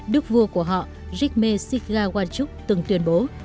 đức vua của họ rikme siga wanchuk từng tuyên bố